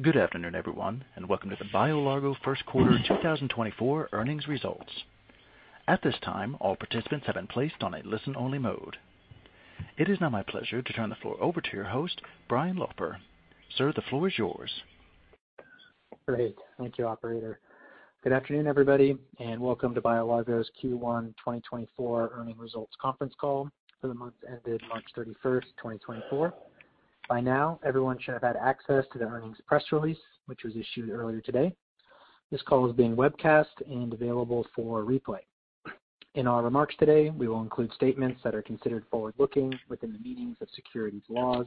Good afternoon, everyone, and welcome to the BioLargo first quarter 2024 earnings results. At this time, all participants have been placed on a listen-only mode. It is now my pleasure to turn the floor over to your host, Brian Loper. Sir, the floor is yours. Great. Thank you, operator. Good afternoon, everybody, and welcome to BioLargo's Q1 2024 earnings results conference call for the month ended March 31st, 2024. By now, everyone should have had access to the earnings press release, which was issued earlier today. This call is being webcast and available for replay. In our remarks today, we will include statements that are considered forward-looking within the meanings of securities laws,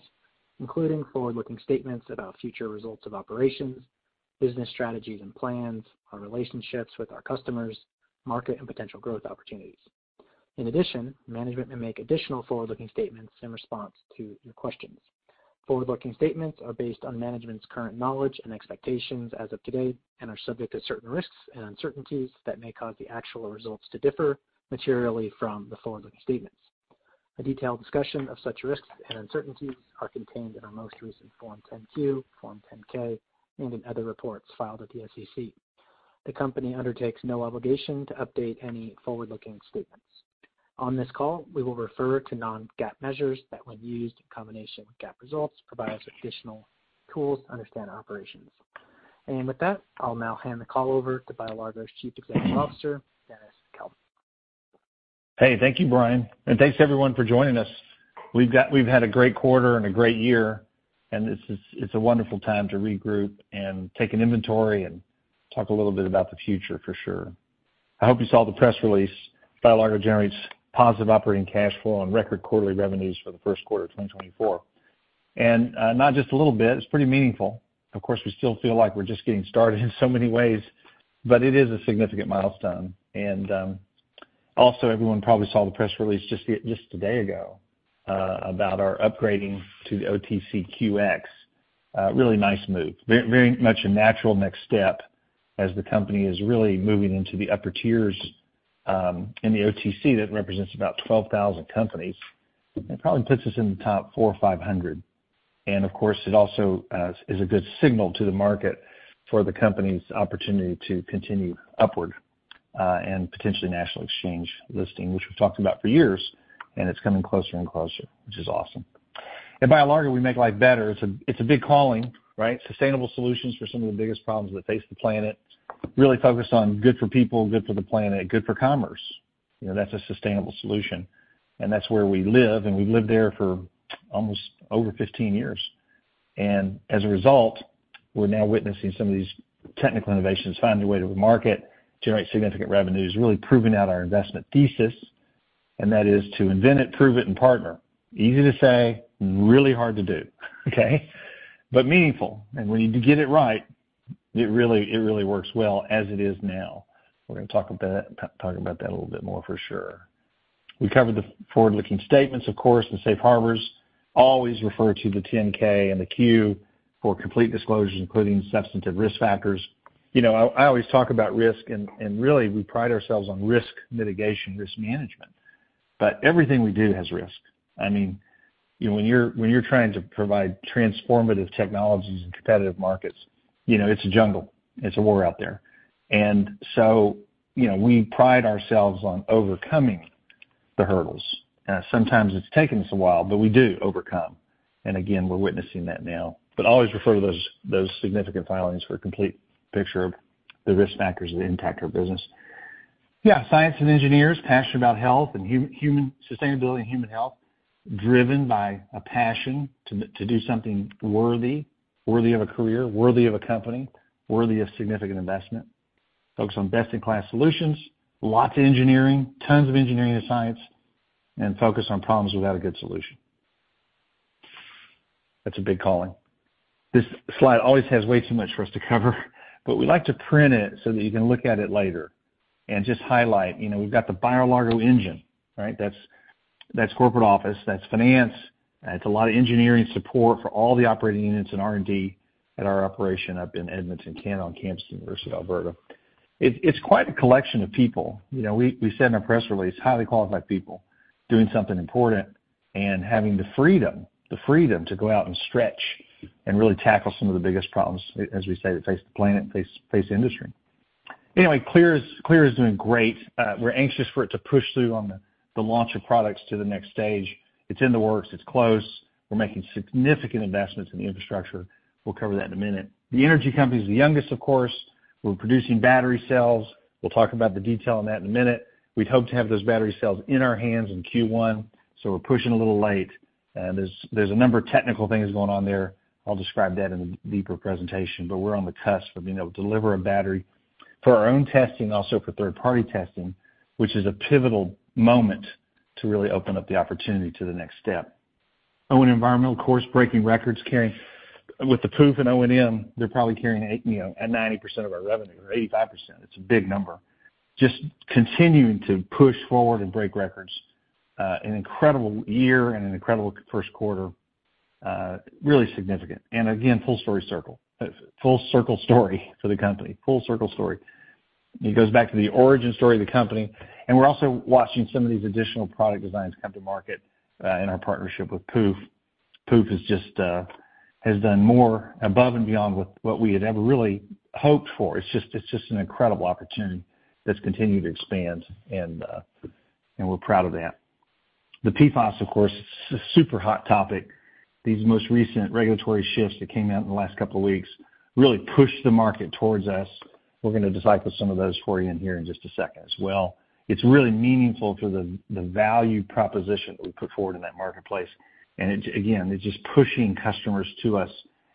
including forward-looking statements about future results of operations, business strategies and plans, our relationships with our customers, market, and potential growth opportunities. In addition, management may make additional forward-looking statements in response to your questions. Forward-looking statements are based on management's current knowledge and expectations as of today and are subject to certain risks and uncertainties that may cause the actual results to differ materially from the forward-looking statements. A detailed discussion of such risks and uncertainties is contained in our most recent Form 10-Q, Form 10-K, and in other reports filed at the SEC. The company undertakes no obligation to update any forward-looking statements. On this call, we will refer to Non-GAAP measures that, when used in combination with GAAP results, provide us additional tools to understand our operations. With that, I'll now hand the call over to BioLargo's Chief Executive Officer, Dennis Calvert. Hey, thank you, Brian, and thanks everyone for joining us. We've had a great quarter and a great year, and it's a wonderful time to regroup and take an inventory and talk a little bit about the future, for sure. I hope you saw the press release. BioLargo generates positive operating cash flow and record quarterly revenues for the first quarter of 2024. And not just a little bit, it's pretty meaningful. Of course, we still feel like we're just getting started in so many ways, but it is a significant milestone. And also, everyone probably saw the press release just a day ago about our upgrading to the OTCQX. Really nice move, very much a natural next step as the company is really moving into the upper tiers in the OTC that represents about 12,000 companies. It probably puts us in the top 4 or 500. Of course, it also is a good signal to the market for the company's opportunity to continue upward and potentially national exchange listing, which we've talked about for years, and it's coming closer and closer, which is awesome. At BioLargo, we make life better. It's a big calling, right? Sustainable solutions for some of the biggest problems that face the planet, really focused on good for people, good for the planet, good for commerce. That's a sustainable solution. And that's where we live, and we've lived there for almost over 15 years. And as a result, we're now witnessing some of these technical innovations finding a way to market, generate significant revenues, really proving out our investment thesis, and that is to invent it, prove it, and partner. Easy to say, really hard to do, okay? But meaningful. And when you get it right, it really works well as it is now. We're going to talk about that a little bit more, for sure. We covered the forward-looking statements, of course, and safe harbors. Always refer to the 10-K and the 10-Q for complete disclosures, including substantive risk factors. I always talk about risk, and really, we pride ourselves on risk mitigation, risk management. But everything we do has risk. I mean, when you're trying to provide transformative technologies in competitive markets, it's a jungle. It's a war out there. And so we pride ourselves on overcoming the hurdles. Sometimes it's taken us a while, but we do overcome. And again, we're witnessing that now. But always refer to those significant filings for a complete picture of the risk factors that impact our business. Yeah, science and engineers, passionate about health and sustainability and human health, driven by a passion to do something worthy, worthy of a career, worthy of a company, worthy of significant investment. Focus on best-in-class solutions, lots of engineering, tons of engineering and science, and focus on problems without a good solution. That's a big calling. This slide always has way too much for us to cover, but we like to print it so that you can look at it later and just highlight we've got the BioLargo Engine, right? That's corporate office. That's finance. It's a lot of engineering support for all the operating units and R&D at our operation up in Edmonton, Canada, on campus University of Alberta. It's quite a collection of people. We said in our press release, highly qualified people doing something important and having the freedom to go out and stretch and really tackle some of the biggest problems, as we say, that face the planet and face the industry. Anyway, Clyra is doing great. We're anxious for it to push through on the launch of products to the next stage. It's in the works. It's close. We're making significant investments in the infrastructure. We'll cover that in a minute. The energy company is the youngest, of course. We're producing battery cells. We'll talk about the detail on that in a minute. We'd hope to have those battery cells in our hands in Q1, so we're pushing a little late. There's a number of technical things going on there. I'll describe that in a deeper presentation, but we're on the cusp of being able to deliver a battery for our own testing, also for third-party testing, which is a pivotal moment to really open up the opportunity to the next step. ONM Environmental, of course, breaking records. With the POOPH in ONM, they're probably carrying 90% of our revenue or 85%. It's a big number. Just continuing to push forward and break records. An incredible year and an incredible first quarter. Really significant. And again, full circle story for the company. Full circle story. It goes back to the origin story of the company. And we're also watching some of these additional product designs come to market in our partnership with POOPH. POOPH has done more above and beyond what we had ever really hoped for. It's just an incredible opportunity that's continued to expand, and we're proud of that. The PFAS, of course, it's a super hot topic. These most recent regulatory shifts that came out in the last couple of weeks really pushed the market towards us. We're going to detail some of those for you in here in just a second as well. It's really meaningful for the value proposition that we put forward in that marketplace. And again, it's just pushing customers to us.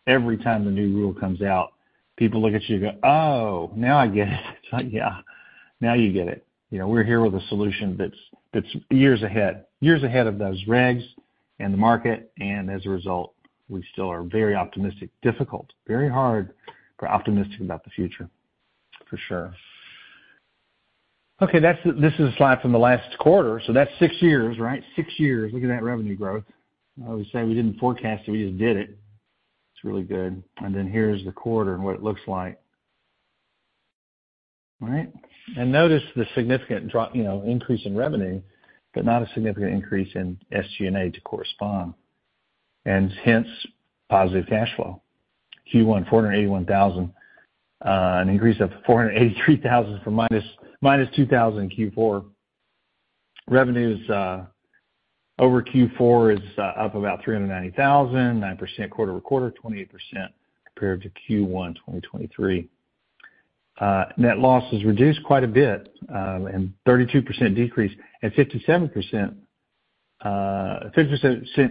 Every time the new rule comes out, people look at you and go, "Oh, now I get it." It's like, "Yeah, now you get it." We're here with a solution that's years ahead, years ahead of those regs and the market. And as a result, we still are very optimistic, difficult, very hard, but optimistic about the future, for sure. Okay, this is a slide from the last quarter. So that's six years, right? Six years. Look at that revenue growth. I always say we didn't forecast it. We just did it. It's really good. And then here's the quarter and what it looks like. All right? And notice the significant increase in revenue, but not a significant increase in SG&A to correspond, and hence positive cash flow. Q1, $481,000. An increase of $483,000 from -$2,000 in Q4. Revenue over Q4 is up about $390,000, 9% quarter-over-quarter, 28% compared to Q1 2023. Net loss is reduced quite a bit and 32% decrease and 57%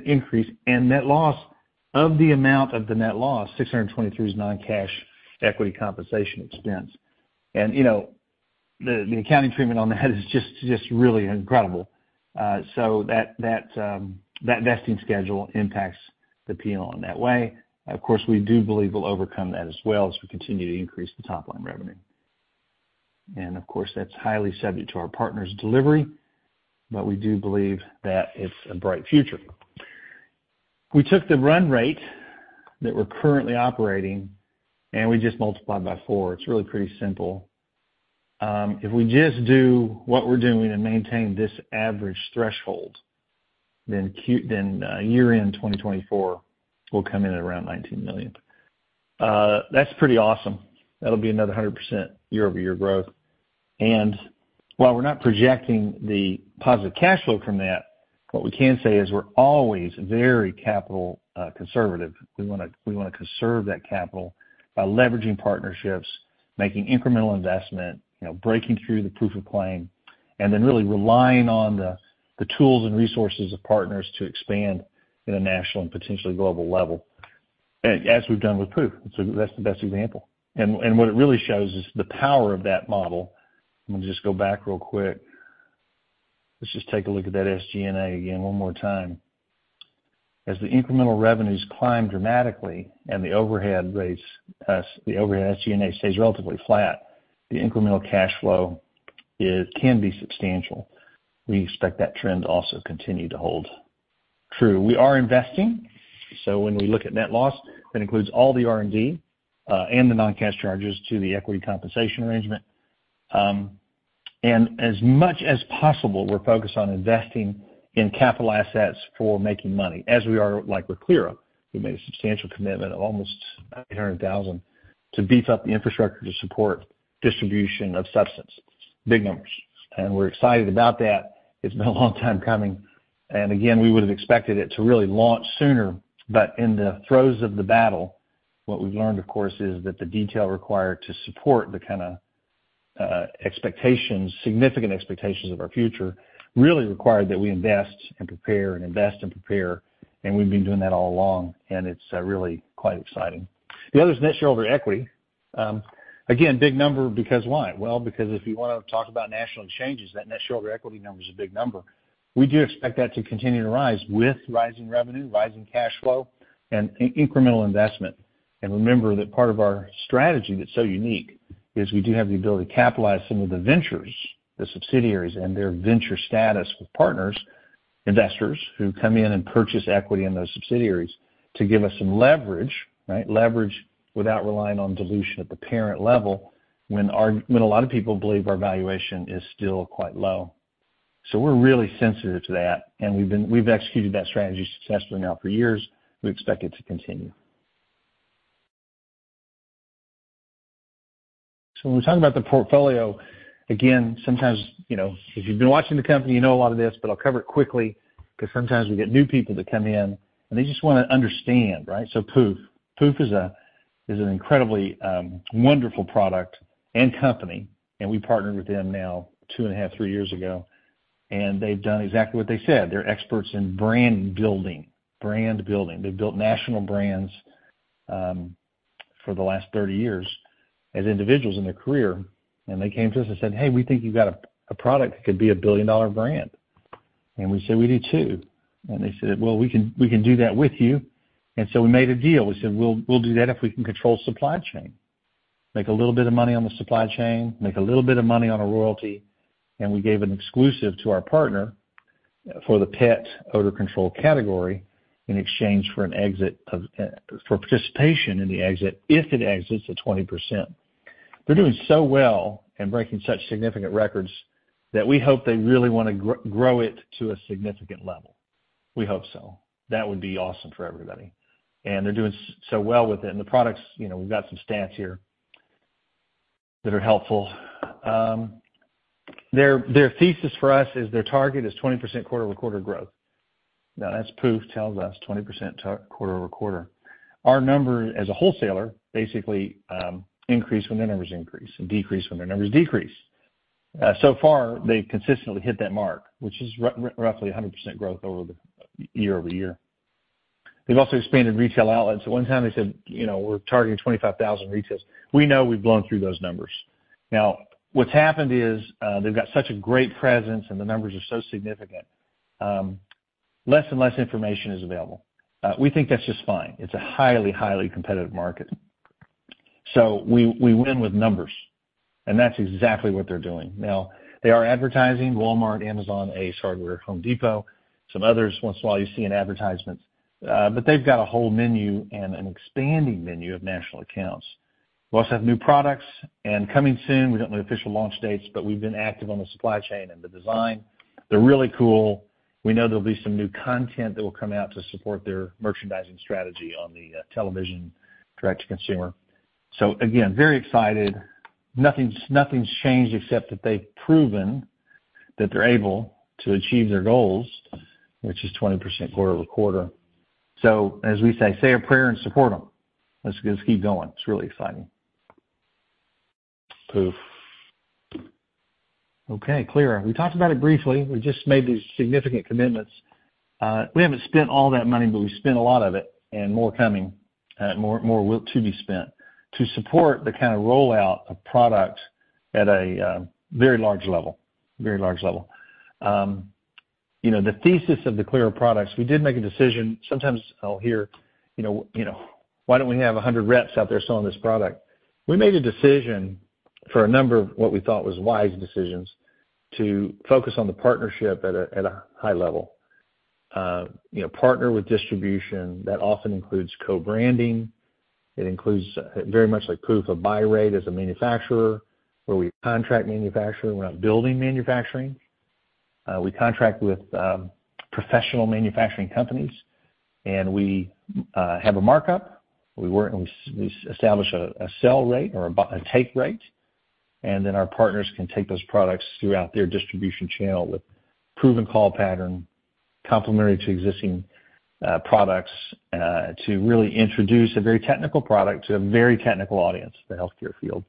increase in net loss of the amount of the net loss. $623 is non-cash equity compensation expense. And the accounting treatment on that is just really incredible. So that vesting schedule impacts the P&L in that way. Of course, we do believe we'll overcome that as well as we continue to increase the top-line revenue. And of course, that's highly subject to our partner's delivery, but we do believe that it's a bright future. We took the run rate that we're currently operating, and we just multiplied by 4. It's really pretty simple. If we just do what we're doing and maintain this average threshold, then year-end 2024, we'll come in at around $19 million. That's pretty awesome. That'll be another 100% year-over-year growth. And while we're not projecting the positive cash flow from that, what we can say is we're always very capital conservative. We want to conserve that capital by leveraging partnerships, making incremental investment, breaking through the proof of claim, and then really relying on the tools and resources of partners to expand at a national and potentially global level, as we've done with POOPH. That's the best example. And what it really shows is the power of that model. I'm going to just go back real quick. Let's just take a look at that SG&A again one more time. As the incremental revenues climb dramatically and the overhead rates, the overhead SG&A stays relatively flat, the incremental cash flow can be substantial. We expect that trend to also continue to hold true. We are investing. So when we look at net loss, that includes all the R&D and the non-cash charges to the equity compensation arrangement. As much as possible, we're focused on investing in capital assets for making money, as we are with Clyra. We made a substantial commitment of almost $800,000 to beef up the infrastructure to support distribution of substance, big numbers. We're excited about that. It's been a long time coming. Again, we would have expected it to really launch sooner. But in the throes of the battle, what we've learned, of course, is that the detail required to support the kind of significant expectations of our future really required that we invest and prepare and invest and prepare. We've been doing that all along, and it's really quite exciting. The other is net shareholder equity. Again, big number because why? Well, because if you want to talk about national exchanges, that net shareholder equity number is a big number. We do expect that to continue to rise with rising revenue, rising cash flow, and incremental investment. And remember that part of our strategy that's so unique is we do have the ability to capitalize some of the ventures, the subsidiaries, and their venture status with partners, investors who come in and purchase equity in those subsidiaries to give us some leverage, right? Leverage without relying on dilution at the parent level when a lot of people believe our valuation is still quite low. So we're really sensitive to that, and we've executed that strategy successfully now for years. We expect it to continue. So when we're talking about the portfolio, again, sometimes if you've been watching the company, you know a lot of this, but I'll cover it quickly because sometimes we get new people to come in, and they just want to understand, right? So POOPH. POOPH is an incredibly wonderful product and company, and we partnered with them now 2.5, 3 years ago. They've done exactly what they said. They're experts in brand building, brand building. They've built national brands for the last 30 years as individuals in their career. They came to us and said, "Hey, we think you've got a product that could be a billion-dollar brand." We said, "We do too." They said, "Well, we can do that with you." So we made a deal. We said, "We'll do that if we can control supply chain, make a little bit of money on the supply chain, make a little bit of money on a royalty." We gave an exclusive to our partner for the pet odor control category in exchange for participation in the exit if it exits at 20%. They're doing so well and breaking such significant records that we hope they really want to grow it to a significant level. We hope so. That would be awesome for everybody. They're doing so well with it. The products, we've got some stats here that are helpful. Their thesis for us is their target is 20% quarter-over-quarter growth. Now, that's POOPH tells us, 20% quarter-over-quarter. Our number as a wholesaler basically increased when their numbers increase and decreased when their numbers decrease. So far, they've consistently hit that mark, which is roughly 100% growth year-over-year. They've also expanded retail outlets. At one time, they said, "We're targeting 25,000 retails." We know we've blown through those numbers. Now, what's happened is they've got such a great presence, and the numbers are so significant. Less and less information is available. We think that's just fine. It's a highly, highly competitive market. So we win with numbers, and that's exactly what they're doing. Now, they are advertising: Walmart, Amazon, Ace Hardware, Home Depot, some others. Once in a while, you see in advertisements. But they've got a whole menu and an expanding menu of national accounts. We also have new products. And coming soon, we don't know the official launch dates, but we've been active on the supply chain and the design. They're really cool. We know there'll be some new content that will come out to support their merchandising strategy on the television, direct to consumer. So again, very excited. Nothing's changed except that they've proven that they're able to achieve their goals, which is 20% quarter-over-quarter. So as we say, say a prayer and support them. Let's keep going. It's really exciting. POOPH. Okay, Clyra. We talked about it briefly. We just made these significant commitments. We haven't spent all that money, but we spent a lot of it and more coming, more to be spent to support the kind of rollout of products at a very large level, very large level. The thesis of the Clyra products, we did make a decision. Sometimes I'll hear, "Why don't we have 100 reps out there selling this product?" We made a decision for a number of what we thought was wise decisions to focus on the partnership at a high level, partner with distribution. That often includes co-branding. It includes very much like POOPH, a buy rate as a manufacturer where we contract manufacturing. We're not building manufacturing. We contract with professional manufacturing companies, and we have a markup. We establish a sell rate or a take rate, and then our partners can take those products throughout their distribution channel with proven call pattern, complementary to existing products, to really introduce a very technical product to a very technical audience, the healthcare field.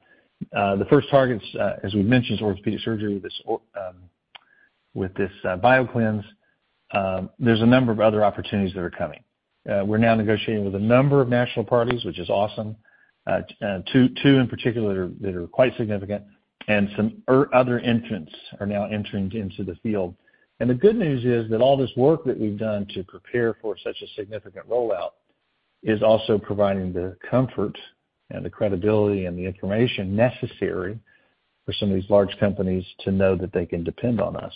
The first targets, as we've mentioned, is orthopedic surgery with this Bioclynse. There's a number of other opportunities that are coming. We're now negotiating with a number of national parties, which is awesome. Two in particular that are quite significant, and some other entrants are now entering into the field. And the good news is that all this work that we've done to prepare for such a significant rollout is also providing the comfort and the credibility and the information necessary for some of these large companies to know that they can depend on us.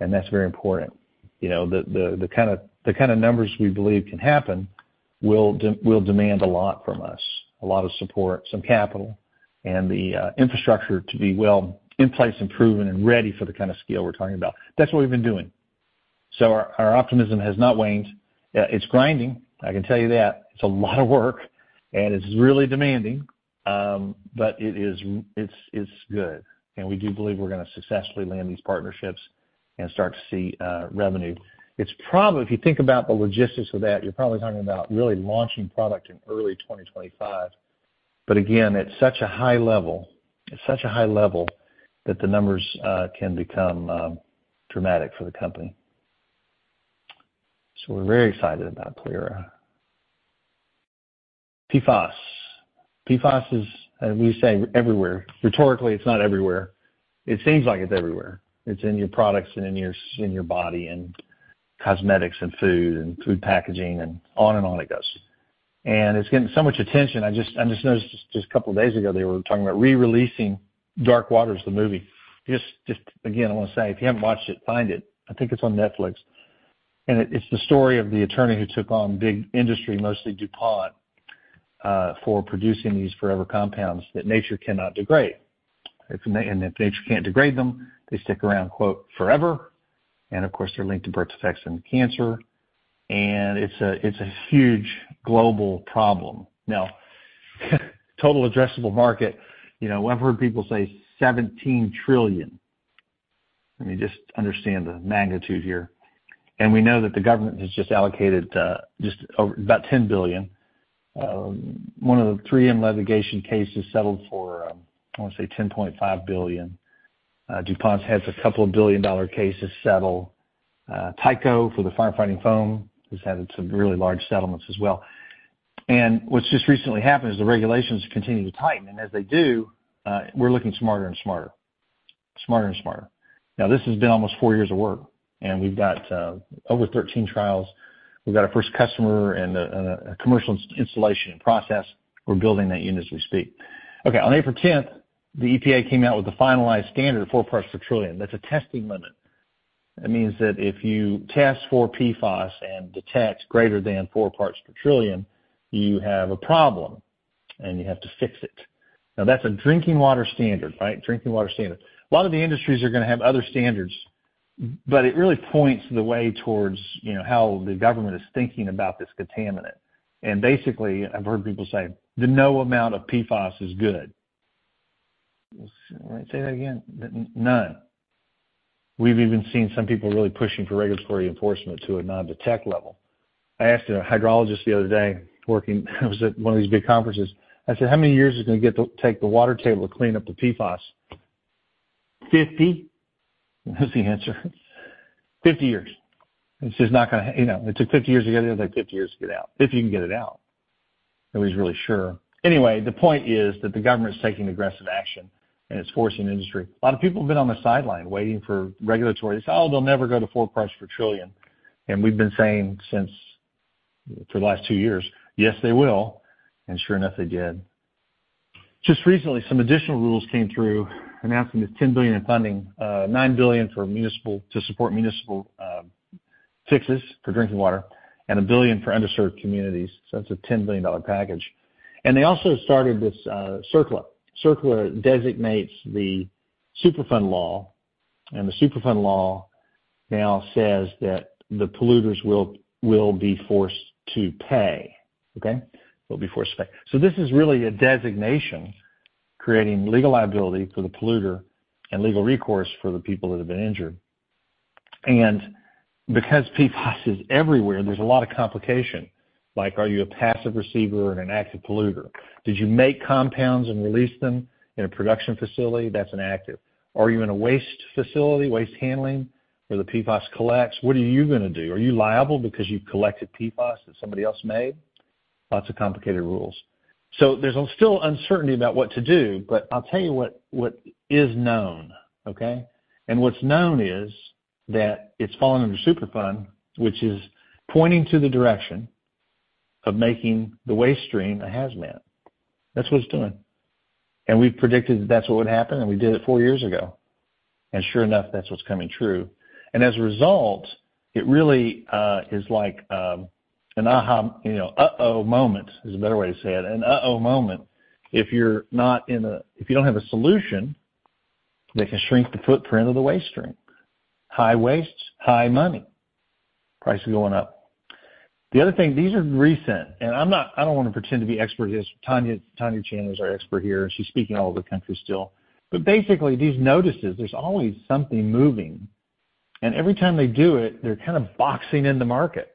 And that's very important. The kind of numbers we believe can happen will demand a lot from us, a lot of support, some capital, and the infrastructure to be well in place and proven and ready for the kind of scale we're talking about. That's what we've been doing. Our optimism has not waned. It's grinding. I can tell you that. It's a lot of work, and it's really demanding, but it's good. We do believe we're going to successfully land these partnerships and start to see revenue. If you think about the logistics of that, you're probably talking about really launching product in early 2025. Again, it's such a high level. It's such a high level that the numbers can become dramatic for the company. We're very excited about Clyra. PFAS. PFAS is, as we say, everywhere. Rhetorically, it's not everywhere. It seems like it's everywhere. It's in your products and in your body and cosmetics and food and food packaging and on and on it goes. And it's getting so much attention. I just noticed just a couple of days ago, they were talking about re-releasing Dark Waters, the movie. Just again, I want to say, if you haven't watched it, find it. I think it's on Netflix. And it's the story of the attorney who took on big industry, mostly DuPont, for producing these forever compounds that nature cannot degrade. And if nature can't degrade them, they stick around "forever." And of course, they're linked to birth defects and cancer. And it's a huge global problem. Now, total addressable market, I've heard people say $17 trillion. Let me just understand the magnitude here. And we know that the government has just allocated just about $10 billion. One of the 3M litigation cases settled for, I want to say, $10.5 billion. DuPont's had a couple of billion-dollar cases settle. Tyco for the firefighting foam has had some really large settlements as well. What's just recently happened is the regulations continue to tighten. As they do, we're looking smarter and smarter, smarter and smarter. Now, this has been almost four years of work, and we've got over 13 trials. We've got our first customer and a commercial installation in process. We're building that unit as we speak. Okay, on April 10th, the EPA came out with the finalized standard of four parts per trillion. That's a testing limit. That means that if you test for PFAS and detect greater than four parts per trillion, you have a problem, and you have to fix it. Now, that's a drinking water standard, right? Drinking water standard. A lot of the industries are going to have other standards, but it really points the way towards how the government is thinking about this contaminant. And basically, I've heard people say that no amount of PFAS is good. All right, say that again. None. We've even seen some people really pushing for regulatory enforcement to a non-detect level. I asked a hydrologist the other day working. I was at one of these big conferences. I said, "How many years is it going to take the water table to clean up the PFAS?" "50," was the answer. "50 years." It's just not going to. It took 50 years to get it out. It took 50 years to get out, if you can get it out. Nobody's really sure. Anyway, the point is that the government's taking aggressive action, and it's forcing industry. A lot of people have been on the sidelines waiting for regulatory. They say, "Oh, they'll never go to four parts per trillion." And we've been saying for the last two years, "Yes, they will." And sure enough, they did. Just recently, some additional rules came through announcing this $10 billion in funding, $9 billion to support municipal fixes for drinking water, and $1 billion for underserved communities. So that's a $10 billion package. And they also started this CERCLA. CERCLA designates the Superfund law, and the Superfund law now says that the polluters will be forced to pay, okay? They'll be forced to pay. So this is really a designation creating legal liability for the polluter and legal recourse for the people that have been injured. And because PFAS is everywhere, there's a lot of complication. Are you a passive receiver and an active polluter? Did you make compounds and release them in a production facility? That's an active. Are you in a waste facility, waste handling, where the PFAS collects? What are you going to do? Are you liable because you've collected PFAS that somebody else made? Lots of complicated rules. So there's still uncertainty about what to do, but I'll tell you what is known, okay? And what's known is that it's fallen under Superfund, which is pointing to the direction of making the waste stream a hazmat. That's what it's doing. And we've predicted that that's what would happen, and we did it four years ago. And sure enough, that's what's coming true. And as a result, it really is like an aha-uh-oh moment is a better way to say it, an uh-oh moment. If you don't have a solution, they can shrink the footprint of the waste stream. High waste, high money. Prices going up. The other thing, these are recent, and I don't want to pretend to be expert here. Tonya Chandler's our expert here, and she's speaking all over the country still. But basically, these notices, there's always something moving. And every time they do it, they're kind of boxing in the market.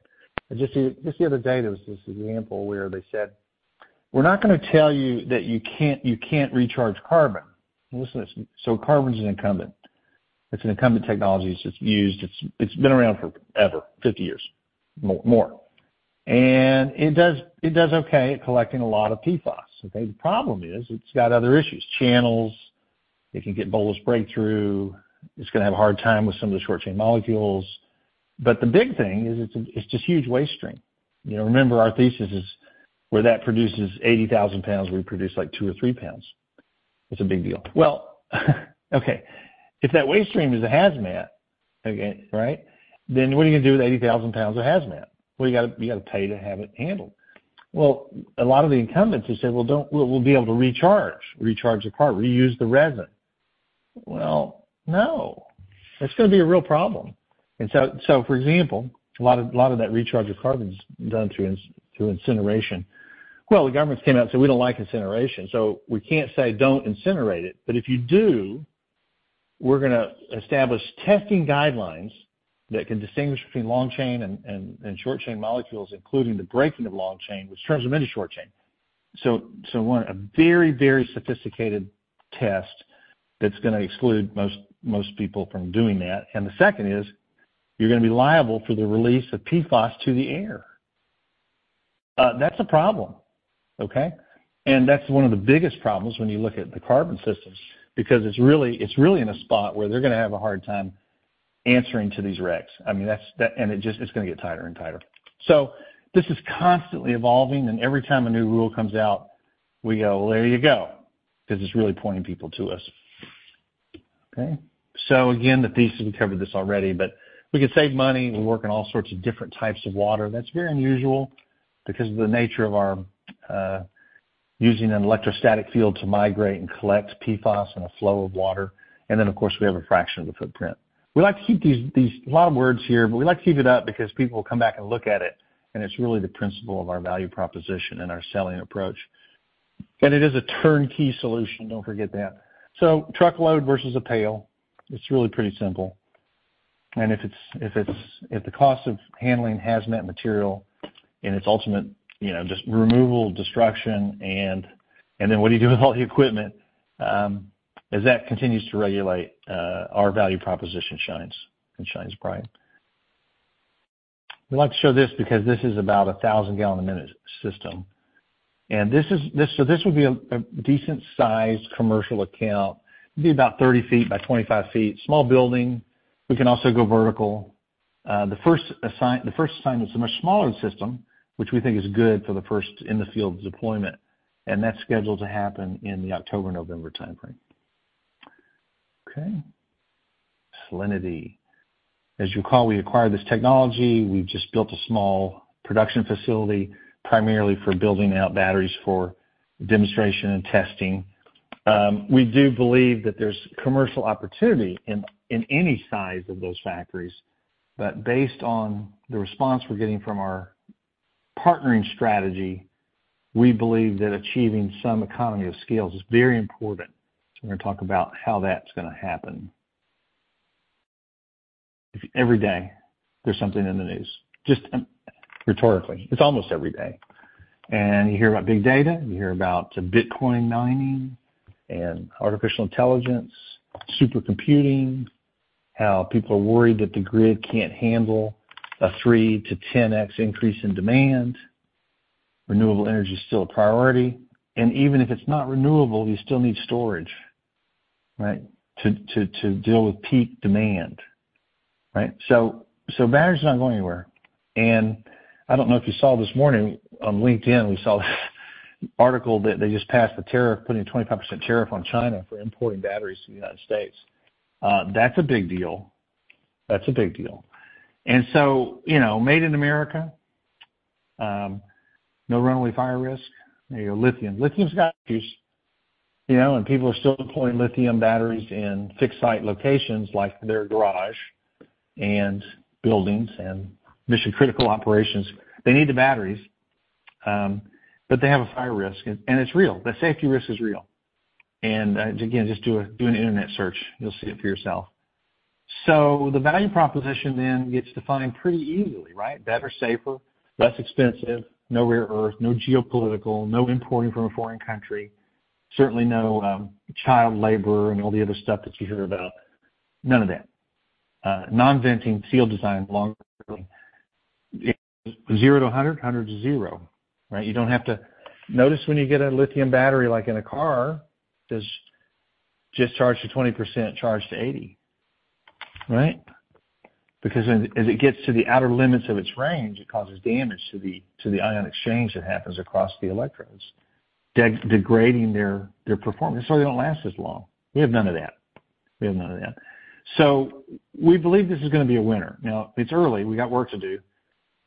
Just the other day, there was this example where they said, "We're not going to tell you that you can't recharge carbon." Listen to this. So carbon's an incumbent. It's an incumbent technology that's used. It's been around forever, 50 years, more. And it does okay at collecting a lot of PFAS, okay? The problem is it's got other issues. Channels, it can get bolus breakthrough. It's going to have a hard time with some of the short-chain molecules. But the big thing is it's just huge waste stream. Remember, our thesis is where that produces 80,000 lbs, we produce like 2 lbs or 3 lbs. It's a big deal. Well, okay. If that waste stream is a hazmat, right, then what are you going to do with 80,000 lbs of hazmat? Well, you got to pay to have it handled. Well, a lot of the incumbents have said, "Well, we'll be able to recharge, recharge the resin." Well, no. That's going to be a real problem. And so, for example, a lot of that recharge of carbon's done through incineration. Well, the government's came out and said, "We don't like incineration." So we can't say, "Don't incinerate it." But if you do, we're going to establish testing guidelines that can distinguish between long-chain and short-chain molecules, including the breaking of long-chain with terms of many short-chain. So one, a very, very sophisticated test that's going to exclude most people from doing that. And the second is you're going to be liable for the release of PFAS to the air. That's a problem, okay? And that's one of the biggest problems when you look at the carbon systems because it's really in a spot where they're going to have a hard time answering to these regs. I mean, and it's going to get tighter and tighter. So this is constantly evolving, and every time a new rule comes out, we go, "Well, there you go," because it's really pointing people to us, okay? So again, the thesis, we covered this already, but we can save money. We work in all sorts of different types of water. That's very unusual because of the nature of our using an electrostatic field to migrate and collect PFAS in a flow of water. And then, of course, we have a fraction of the footprint. We like to keep these a lot of words here, but we like to keep it up because people will come back and look at it, and it's really the principle of our value proposition and our selling approach. And it is a turnkey solution. Don't forget that. So truckload versus a pail. It's really pretty simple. If the cost of handling hazmat material and its ultimate just removal, destruction, and then what do you do with all the equipment as that continues to regulate, our value proposition shines and shines bright. We like to show this because this is about a 1,000-gallon-per-minute system. And so this would be a decent-sized commercial account. It'd be about 30 ft by 25 ft, small building. We can also go vertical. The first assignment is a much smaller system, which we think is good for the first in-the-field deployment. And that's scheduled to happen in the October-November timeframe. Okay. Cellinity. As you recall, we acquired this technology. We've just built a small production facility primarily for building out batteries for demonstration and testing. We do believe that there's commercial opportunity in any size of those factories. But based on the response we're getting from our partnering strategy, we believe that achieving some economy of scale is very important. So we're going to talk about how that's going to happen. Every day, there's something in the news, just rhetorically. It's almost every day. And you hear about big data. You hear about Bitcoin mining and artificial intelligence, supercomputing, how people are worried that the grid can't handle a 3-10x increase in demand. Renewable energy is still a priority. And even if it's not renewable, you still need storage, right, to deal with peak demand, right? So batteries are not going anywhere. And I don't know if you saw this morning on LinkedIn, we saw this article that they just passed the tariff, putting a 25% tariff on China for importing batteries to the United States. That's a big deal. That's a big deal. Made in America, no runaway fire risk. There you go. Lithium. Lithium's got issues. People are still deploying lithium batteries in fixed-site locations like their garage and buildings and mission-critical operations. They need the batteries, but they have a fire risk. And it's real. The safety risk is real. Again, just do an internet search. You'll see it for yourself. So the value proposition then gets defined pretty easily, right? Better, safer, less expensive, no rare earth, no geopolitical, no importing from a foreign country, certainly no child labor and all the other stuff that you hear about. None of that. Non-venting seal design, longer building. 0-100, 100-0, right? You don't have to notice when you get a lithium battery like in a car, it does discharge to 20%, charge to 80%, right? Because as it gets to the outer limits of its range, it causes damage to the ion exchange that happens across the electrodes, degrading their performance. That's why they don't last as long. We have none of that. We have none of that. So we believe this is going to be a winner. Now, it's early. We got work to do.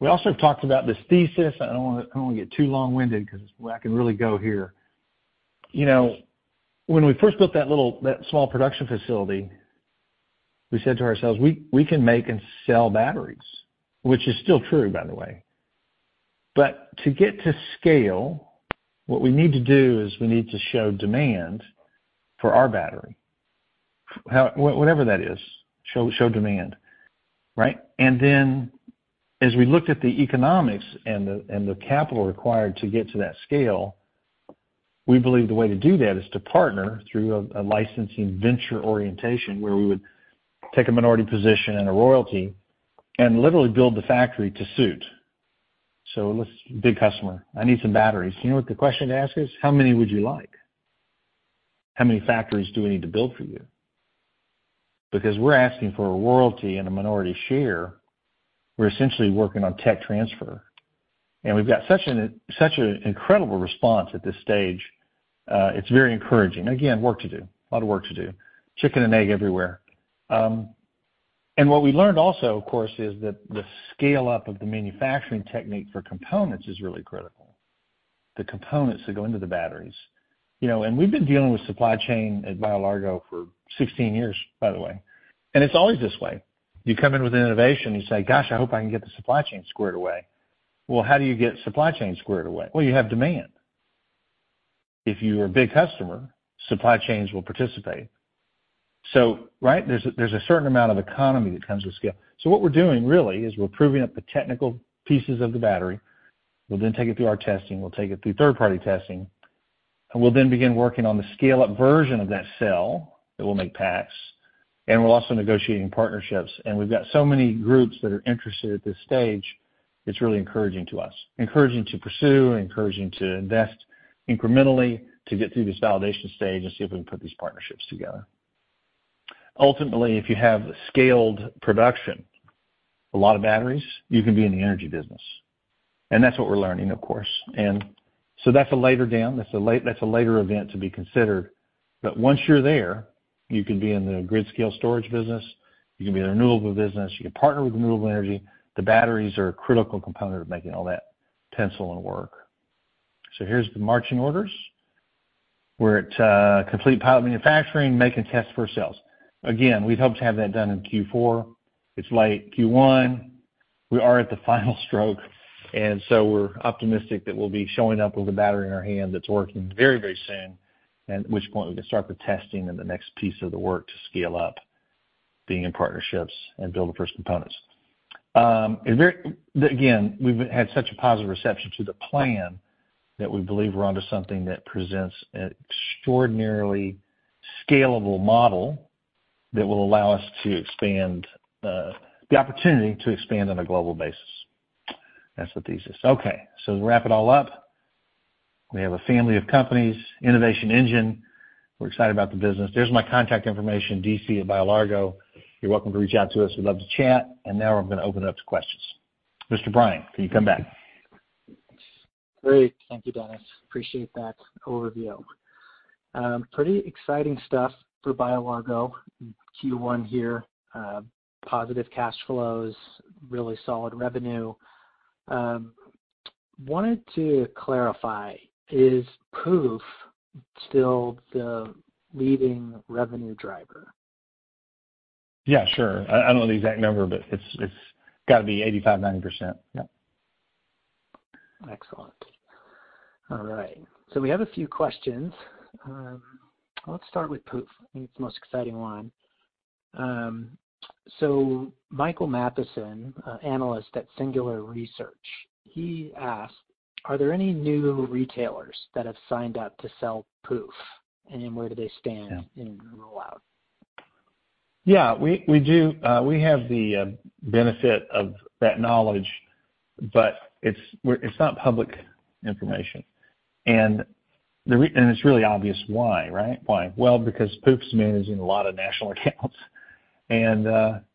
We also have talked about this thesis. I don't want to get too long-winded because I can really go here. When we first built that small production facility, we said to ourselves, "We can make and sell batteries," which is still true, by the way. But to get to scale, what we need to do is we need to show demand for our battery, whatever that is, show demand, right? And then as we looked at the economics and the capital required to get to that scale, we believe the way to do that is to partner through a licensing venture orientation where we would take a minority position and a royalty and literally build the factory to suit. So big customer, I need some batteries. Do you know what the question to ask is? How many would you like? How many factories do we need to build for you? Because we're asking for a royalty and a minority share. We're essentially working on tech transfer. And we've got such an incredible response at this stage. It's very encouraging. Again, work to do. A lot of work to do. Chicken and egg everywhere. And what we learned also, of course, is that the scale-up of the manufacturing technique for components is really critical, the components that go into the batteries. We've been dealing with supply chain at BioLargo for 16 years, by the way. It's always this way. You come in with an innovation. You say, "Gosh, I hope I can get the supply chain squared away." Well, how do you get supply chain squared away? Well, you have demand. If you are a big customer, supply chains will participate, right? There's a certain amount of economy that comes with scale. What we're doing, really, is we're proving up the technical pieces of the battery. We'll then take it through our testing. We'll take it through third-party testing. We'll then begin working on the scale-up version of that cell that will make packs. We're also negotiating partnerships. And we've got so many groups that are interested at this stage, it's really encouraging to us, encouraging to pursue, encouraging to invest incrementally to get through this validation stage and see if we can put these partnerships together. Ultimately, if you have scaled production, a lot of batteries, you can be in the energy business. And that's what we're learning, of course. And so that's a later down. That's a later event to be considered. But once you're there, you can be in the grid-scale storage business. You can be in the renewable business. You can partner with renewable energy. The batteries are a critical component of making all that pencil and work. So here's the marching orders where it's complete pilot manufacturing, making tests for sales. Again, we'd hope to have that done in Q4. It's late. Q1, we are at the final stroke. And so we're optimistic that we'll be showing up with a battery in our hand that's working very, very soon, at which point we can start the testing and the next piece of the work to scale up, being in partnerships and build the first components. Again, we've had such a positive reception to the plan that we believe we're onto something that presents an extraordinarily scalable model that will allow us to expand, the opportunity to expand on a global basis. That's the thesis. Okay. So to wrap it all up, we have a family of companies, Innovation Engine. We're excited about the business. There's my contact information, DC at BioLargo. You're welcome to reach out to us. We'd love to chat. And now I'm going to open it up to questions. Mr. Brian, can you come back? Great. Thank you, Dennis. Appreciate that overview. Pretty exciting stuff for BioLargo. Q1 here, positive cash flows, really solid revenue. Wanted to clarify, is POOPH still the leading revenue driver? Yeah, sure. I don't know the exact number, but it's got to be 85%-90%. Yep. Excellent. All right. So we have a few questions. Let's start with POOPH. I think it's the most exciting one. So Michael Matheson, analyst at Singular Research, he asked, "Are there any new retailers that have signed up to sell POOPH, and where do they stand in rollout?" Yeah. We have the benefit of that knowledge, but it's not public information. And it's really obvious why, right? Why? Well, because POOPH's managing a lot of national accounts. And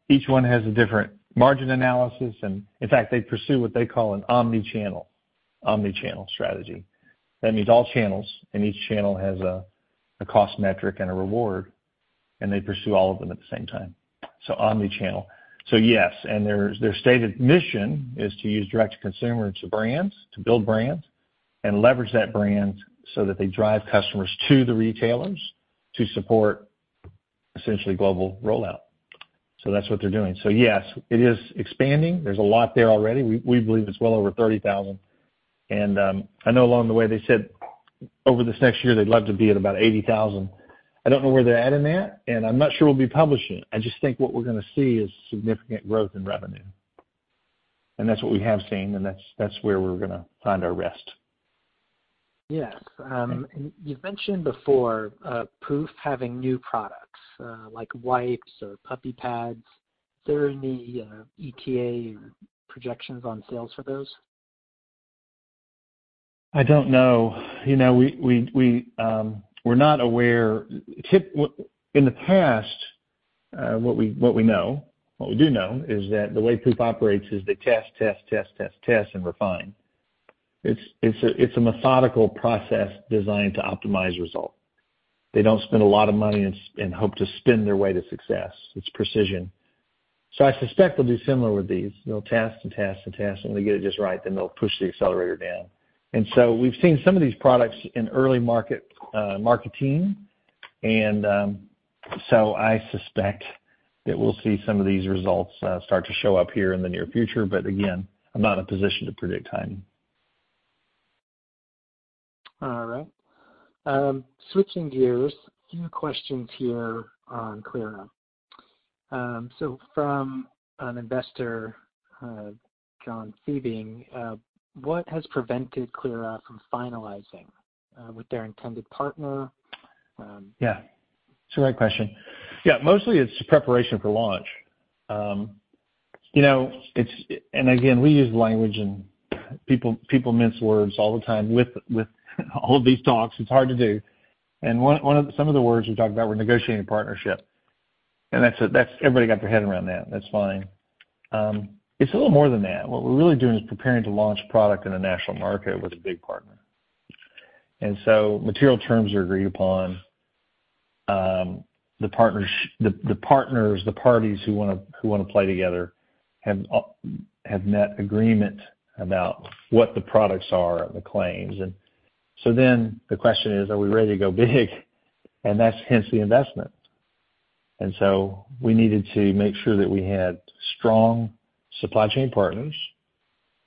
each one has a different margin analysis. And in fact, they pursue what they call an omnichannel, omnichannel strategy. That means all channels, and each channel has a cost metric and a reward. And they pursue all of them at the same time. So omnichannel. So yes. And their stated mission is to use direct-to-consumer to brands, to build brands, and leverage that brand so that they drive customers to the retailers to support, essentially, global rollout. So that's what they're doing. So yes, it is expanding. There's a lot there already. We believe it's well over 30,000. And I know along the way, they said over this next year, they'd love to be at about 80,000. I don't know where they're at in that, and I'm not sure we'll be publishing it. I just think what we're going to see is significant growth in revenue. And that's what we have seen, and that's where we're going to find our rest. Yes. And you've mentioned before Pooph having new products like wipes or puppy pads. Is there any ETA or projections on sales for those? I don't know. We're not aware. In the past, what we know, what we do know, is that the way Pooph operates is they test, test, test, test, test, and refine. It's a methodical process designed to optimize results. They don't spend a lot of money and hope to spin their way to success. It's precision. So I suspect they'll do similar with these. They'll test and test and test. And when they get it just right, then they'll push the accelerator down. And so we've seen some of these products in early marketing. And so I suspect that we'll see some of these results start to show up here in the near future. But again, I'm not in a position to predict timing. All right. Switching gears, a few questions here on Clyra. So from an investor, John Thiebing, what has prevented Clyra from finalizing with their intended partner? Yeah. It's a great question. Yeah. Mostly, it's preparation for launch. And again, we use the language, and people mince words all the time with all of these talks. It's hard to do. And some of the words we talked about were negotiating a partnership. And everybody got their head around that. That's fine. It's a little more than that. What we're really doing is preparing to launch product in a national market with a big partner. And so material terms are agreed upon. The partners, the parties who want to play together have met agreement about what the products are and the claims. And so then the question is, are we ready to go big? And that's, hence, the investment. And so we needed to make sure that we had strong supply chain partners,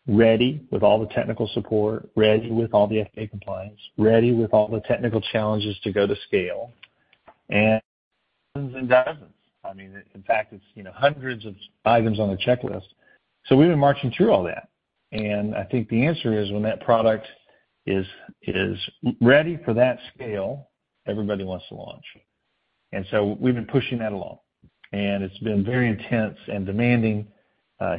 ready with all the technical support, ready with all the FDA compliance, ready with all the technical challenges to go to scale, and dozens and dozens. I mean, in fact, it's hundreds of items on the checklist. So we've been marching through all that. And I think the answer is when that product is ready for that scale, everybody wants to launch. And so we've been pushing that along. And it's been very intense and demanding,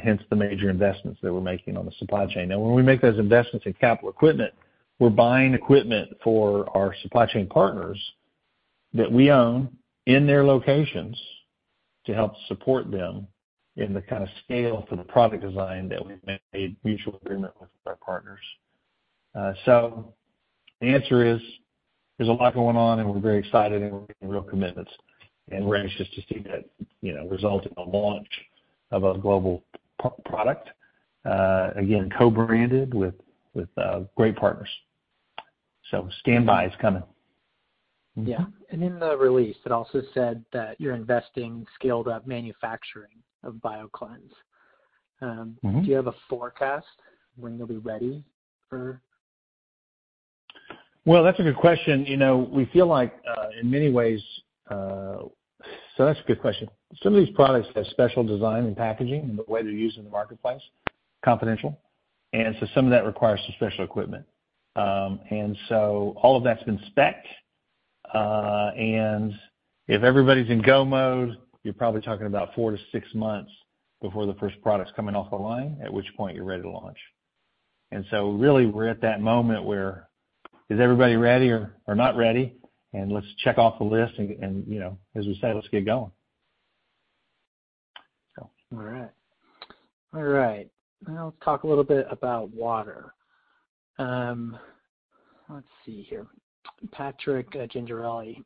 hence the major investments that we're making on the supply chain. Now, when we make those investments in capital equipment, we're buying equipment for our supply chain partners that we own in their locations to help support them in the kind of scale for the product design that we've made mutual agreement with our partners. So the answer is there's a lot going on, and we're very excited, and we're making real commitments. And we're anxious to see that result in a launch of a global product, again, co-branded with great partners. So standby is coming. Yeah. And in the release, it also said that you're investing in scaled-up manufacturing of Bioclynse. Do you have a forecast when you'll be ready for? Well, that's a good question. We feel like, in many ways. Some of these products have special design and packaging and the way they're used in the marketplace, confidential. And so some of that requires some special equipment. And so all of that's been specced. And if everybody's in go mode, you're probably talking about 4-6 months before the first product's coming off the line, at which point you're ready to launch. And so really, we're at that moment where, "Is everybody ready or not ready? And let's check off the list. And as we say, let's get going," so. All right. All right. Now, let's talk a little bit about water. Let's see here. Patrick Signorelli,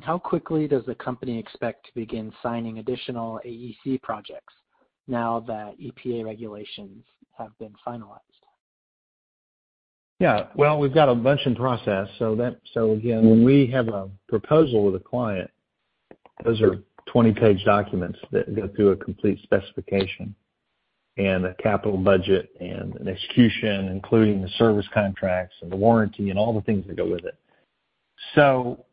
how quickly does the company expect to begin signing additional AEC projects now that EPA regulations have been finalized? Yeah. Well, we've got a bunch in process. So again, when we have a proposal with a client, those are 20-page documents that go through a complete specification and a capital budget and an execution, including the service contracts and the warranty and all the things that go with it. So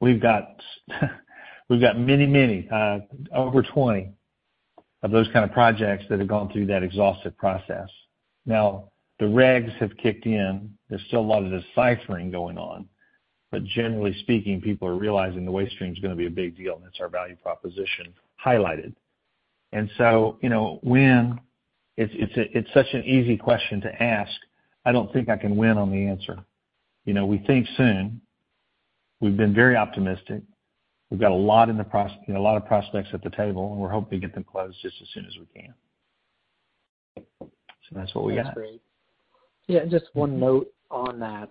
we've got many, many, over 20 of those kind of projects that have gone through that exhaustive process. Now, the regs have kicked in. There's still a lot of deciphering going on. But generally speaking, people are realizing the waste stream's going to be a big deal, and it's our value proposition highlighted. And so when it's such an easy question to ask, I don't think I can win on the answer. We think soon. We've been very optimistic. We've got a lot of prospects at the table, and we're hoping to get them closed just as soon as we can. So that's what we got. That's great. Yeah. Just one note on that.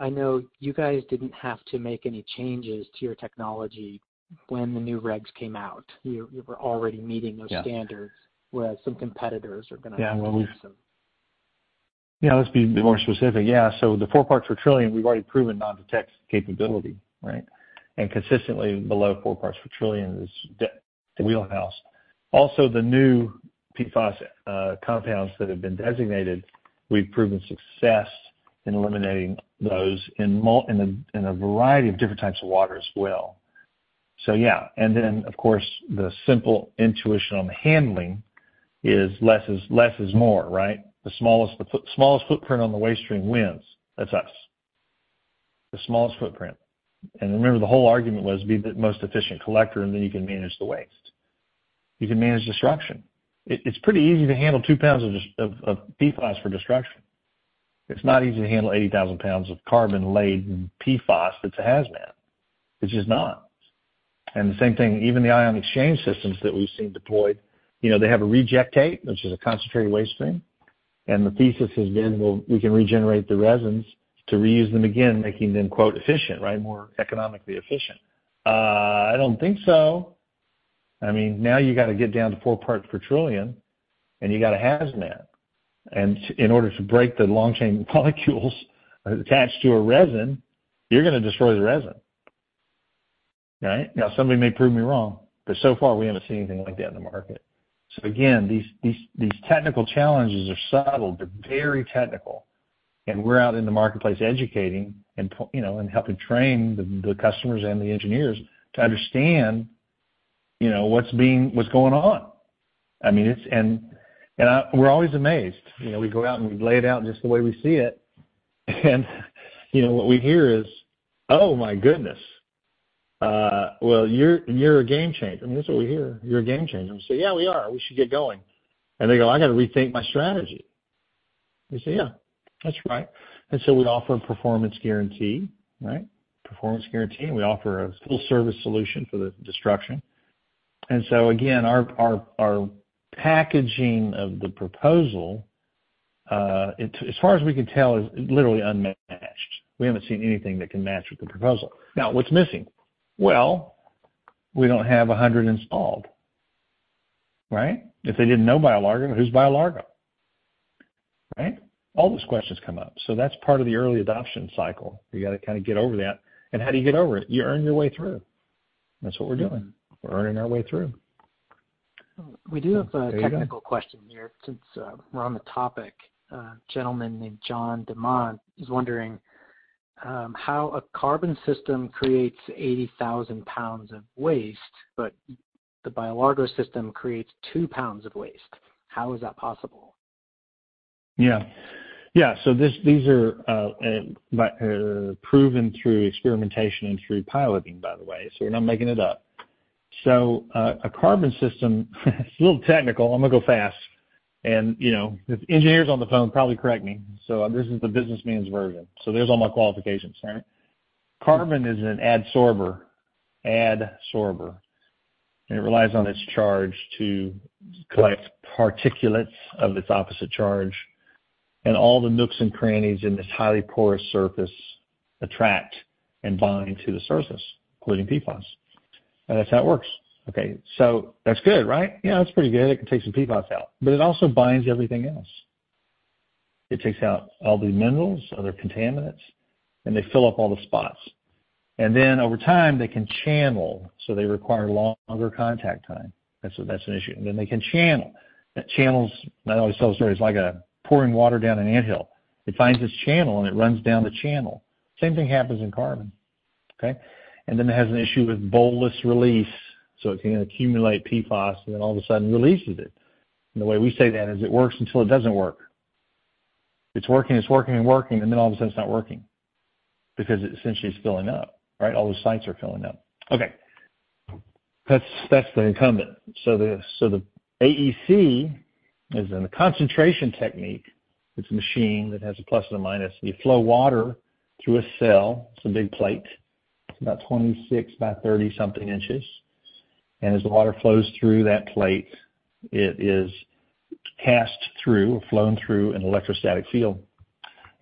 I know you guys didn't have to make any changes to your technology when the new regs came out. You were already meeting those standards, whereas some competitors are going to have to do some. Yeah. Let's be more specific. Yeah. So the 4 parts per trillion, we've already proven non-detect capability, right? And consistently, below 4 parts per trillion is wheelhouse. Also, the new PFAS compounds that have been designated, we've proven success in eliminating those in a variety of different types of water as well. So yeah. And then, of course, the simple intuition on the handling is less is more, right? The smallest footprint on the waste stream wins. That's us, the smallest footprint. And remember, the whole argument was be the most efficient collector, and then you can manage the waste. You can manage destruction. It's pretty easy to handle 2 lbs of PFAS for destruction. It's not easy to handle 80,000 pounds of carbon-laden PFAS. It's a hazmat. It's just not. And the same thing, even the ion exchange systems that we've seen deployed, they have a rejectate, which is a concentrated waste stream. And the thesis has been, "Well, we can regenerate the resins to reuse them again, making them 'efficient,' right, more economically efficient." I don't think so. I mean, now you got to get down to 4 parts per trillion, and you got a hazmat. And in order to break the long-chain molecules attached to a resin, you're going to destroy the resin, right? Now, somebody may prove me wrong, but so far, we haven't seen anything like that in the market. So again, these technical challenges are subtle, but very technical. And we're out in the marketplace educating and helping train the customers and the engineers to understand what's going on. I mean, and we're always amazed. We go out, and we lay it out just the way we see it. And what we hear is, "Oh my goodness. Well, you're a game changer." I mean, that's what we hear. You're a game changer." We say, "Yeah, we are. We should get going." They go, "I got to rethink my strategy." We say, "Yeah, that's right." We offer a performance guarantee, right? Performance guarantee. We offer a full-service solution for the destruction. Our packaging of the proposal, as far as we can tell, is literally unmatched. We haven't seen anything that can match with the proposal. Now, what's missing? Well, we don't have 100 installed, right? If they didn't know BioLargo, who's BioLargo, right? All those questions come up. That's part of the early adoption cycle. You got to kind of get over that. How do you get over it? You earn your way through. That's what we're doing. We're earning our way through. We do have a technical question here since we're on the topic. A gentleman named John DiMonti is wondering how a carbon system creates 80,000 lbs of waste, but the BioLargo system creates two pounds of waste. How is that possible? Yeah. Yeah. These are proven through experimentation and through piloting, by the way. We're not making it up. A carbon system—it's a little technical. I'm going to go fast. And if engineers on the phone probably correct me. This is the businessman's version. There's all my qualifications, right? Carbon is an adsorber, adsorber. And it relies on its charge to collect particulates of its opposite charge. And all the nooks and crannies in this highly porous surface attract and bind to the surface, including PFAS. And that's how it works. Okay. That's good, right? Yeah, it's pretty good. It can take some PFAS out. But it also binds everything else. It takes out all the minerals, other contaminants, and they fill up all the spots. And then over time, they can channel. So they require longer contact time. That's an issue. And then they can channel. That channel's. I always tell the story. It's like pouring water down an anthill. It finds its channel, and it runs down the channel. Same thing happens in carbon, okay? And then it has an issue with bolus breakthrough. So it can accumulate PFAS and then all of a sudden releases it. And the way we say that is it works until it doesn't work. It's working, it's working, and working, and then all of a sudden, it's not working because it essentially is filling up, right? All those sites are filling up. Okay. That's the incumbent. So the AEC is in the concentration technique. It's a machine that has a plus and a minus. You flow water through a cell. It's a big plate. It's about 26 by 30-something inches. And as the water flows through that plate, it is cast through or flown through an electrostatic field.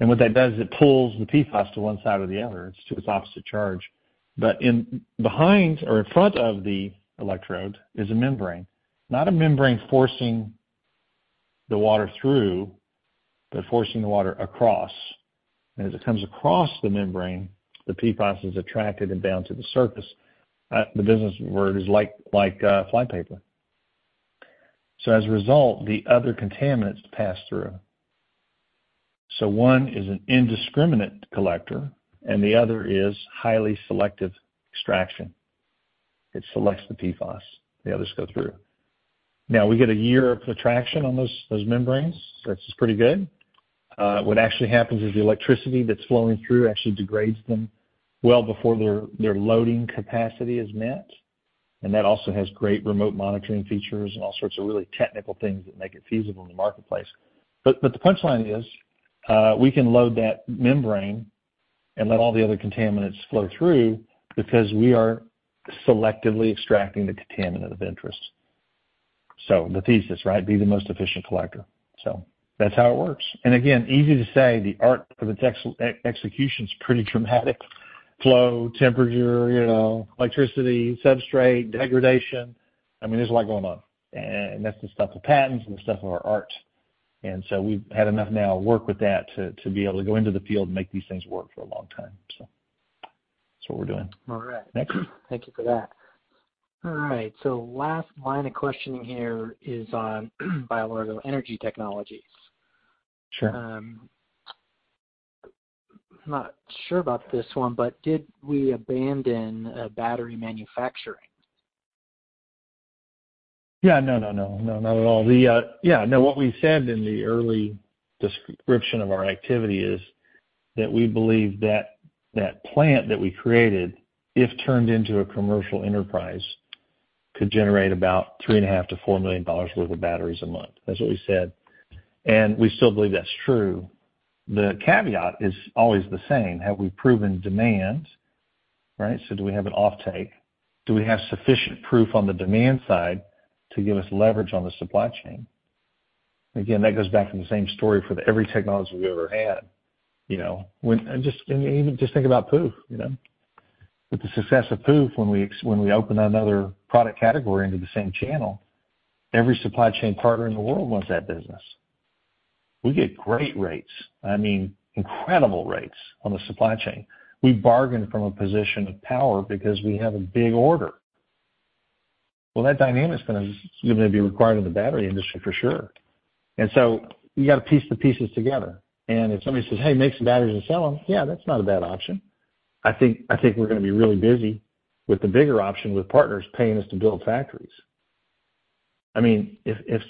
And what that does is it pulls the PFAS to one side or the other. It's to its opposite charge. But behind or in front of the electrode is a membrane, not a membrane forcing the water through, but forcing the water across. And as it comes across the membrane, the PFAS is attracted and bound to the surface. The business word is like fly paper. So as a result, the other contaminants pass through. So one is an indiscriminate collector, and the other is highly selective extraction. It selects the PFAS. The others go through. Now, we get a year of attraction on those membranes. That's pretty good. What actually happens is the electricity that's flowing through actually degrades them well before their loading capacity is met. And that also has great remote monitoring features and all sorts of really technical things that make it feasible in the marketplace. But the punchline is we can load that membrane and let all the other contaminants flow through because we are selectively extracting the contaminant of interest. So the thesis, right, be the most efficient collector. So that's how it works. And again, easy to say. The art of the execution's pretty dramatic: flow, temperature, electricity, substrate, degradation. I mean, there's a lot going on. And that's the stuff of patents and the stuff of our art. And so we've had enough now work with that to be able to go into the field and make these things work for a long time. So that's what we're doing. All right. Thank you for that. All right. So last line of questioning here is on BioLargo Energy Technologies. I'm not sure about this one, but did we abandon battery manufacturing? Yeah. No, no, no, no, not at all. Yeah. No, what we said in the early description of our activity is that we believe that plant that we created, if turned into a commercial enterprise, could generate about $3.5 million-$4 million worth of batteries a month. That's what we said. And we still believe that's true. The caveat is always the same. Have we proven demand, right? So do we have an offtake? Do we have sufficient proof on the demand side to give us leverage on the supply chain? Again, that goes back to the same story for every technology we've ever had. And just think about POOPH. With the success of POOPH, when we open another product category into the same channel, every supply chain partner in the world wants that business. We get great rates, I mean, incredible rates on the supply chain. We bargain from a position of power because we have a big order. Well, that dynamic's going to be required in the battery industry for sure. And so you got to piece the pieces together. And if somebody says, "Hey, make some batteries and sell them," yeah, that's not a bad option. I think we're going to be really busy with the bigger option with partners paying us to build factories. I mean, if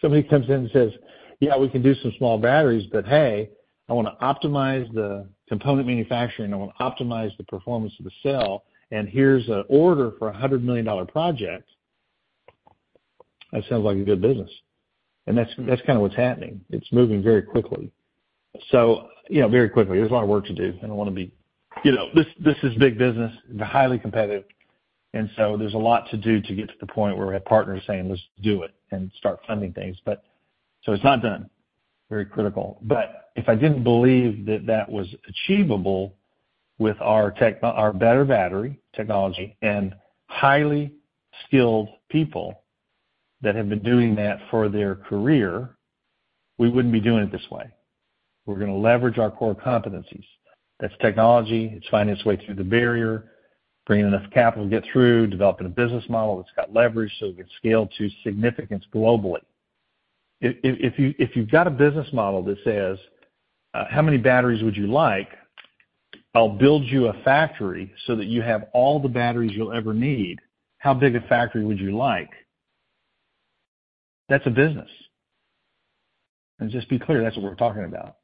somebody comes in and says, "Yeah, we can do some small batteries, but hey, I want to optimize the component manufacturing. I want to optimize the performance of the cell. And here's an order for a $100 million project," that sounds like a good business. And that's kind of what's happening. It's moving very quickly. So very quickly. There's a lot of work to do. I don't want to be this is big business. They're highly competitive. And so there's a lot to do to get to the point where we have partners saying, "Let's do it and start funding things." So it's not done. Very critical. But if I didn't believe that that was achievable with our better battery technology and highly skilled people that have been doing that for their career, we wouldn't be doing it this way. We're going to leverage our core competencies. That's technology. It's finding its way through the barrier, bringing enough capital, get through, developing a business model that's got leverage so it can scale to significance globally. If you've got a business model that says, "How many batteries would you like? I'll build you a factory so that you have all the batteries you'll ever need. How big a factory would you like?" That's a business. Just be clear. That's what we're talking about.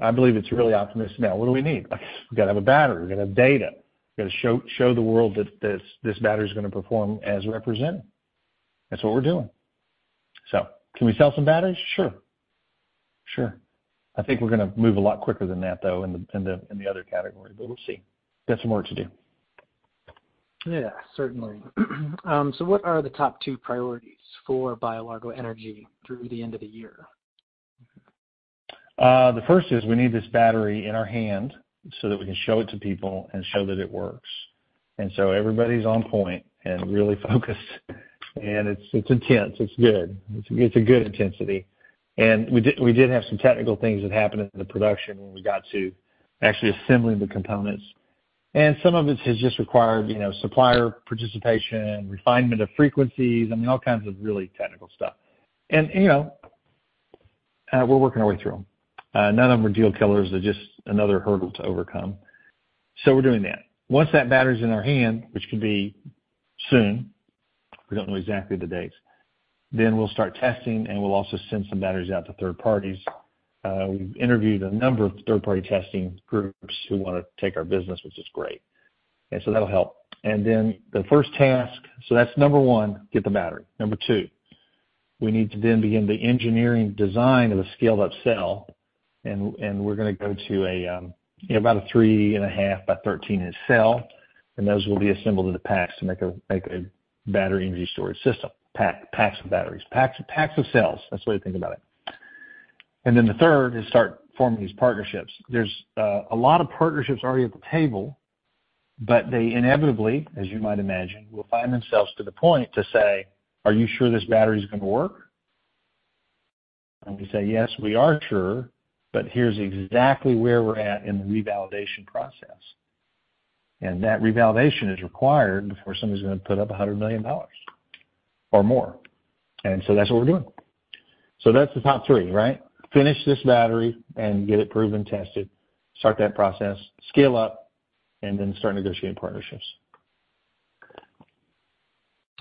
I believe it's really optimistic. Now, what do we need? We got to have a battery. We got to have data. We got to show the world that this battery's going to perform as represented. That's what we're doing. So can we sell some batteries? Sure. Sure. I think we're going to move a lot quicker than that, though, in the other category. We'll see. Got some work to do. Yeah, certainly. So what are the top two priorities for BioLargo Energy through the end of the year? The first is we need this battery in our hand so that we can show it to people and show that it works. So everybody's on point and really focused. It's intense. It's good. It's a good intensity. We did have some technical things that happened in the production when we got to actually assembling the components. Some of it has just required supplier participation, refinement of frequencies, I mean, all kinds of really technical stuff. We're working our way through them. None of them are deal killers. They're just another hurdle to overcome. So we're doing that. Once that battery's in our hand, which could be soon, we don't know exactly the dates, then we'll start testing, and we'll also send some batteries out to third parties. We've interviewed a number of third-party testing groups who want to take our business, which is great. And so that'll help. And then the first task so that's number 1, get the battery. Number 2, we need to then begin the engineering design of a scaled-up cell. And we're going to go to about a 3.5 by 13 in cell. And those will be assembled into packs to make a battery energy storage system, packs of batteries, packs of cells. That's the way to think about it. And then the third is start forming these partnerships. There's a lot of partnerships already at the table, but they inevitably, as you might imagine, will find themselves to the point to say, "Are you sure this battery's going to work?" And we say, "Yes, we are sure, but here's exactly where we're at in the revalidation process." And that revalidation is required before somebody's going to put up $100 million or more. And so that's what we're doing. So that's the top three, right? Finish this battery and get it proven and tested. Start that process. Scale up. And then start negotiating partnerships.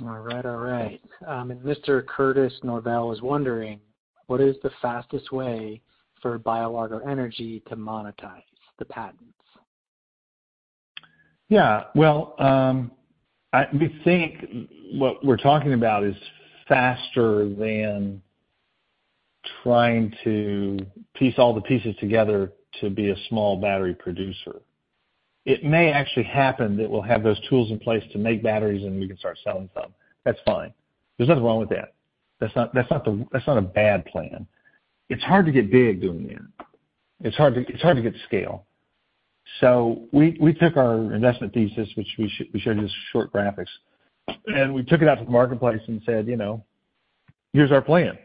All right. All right. And Mr. Kurtis Norvell was wondering, what is the fastest way for BioLargo Energy to monetize the patents? Yeah. Well, we think what we're talking about is faster than trying to piece all the pieces together to be a small battery producer. It may actually happen that we'll have those tools in place to make batteries, and we can start selling some. That's fine. There's nothing wrong with that. That's not a bad plan. It's hard to get big doing that. It's hard to get scale. So we took our investment thesis, which we showed you the short graphics, and we took it out to the marketplace and said, "Here's our plan.